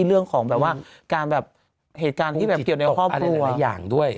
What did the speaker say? เรื่องของแบบว่าการแบบเหตุการณ์ที่แบบเกี่ยวในครอบครัวอย่างด้วย